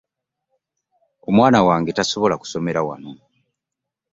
Omwana wange tasobola kusomera wano.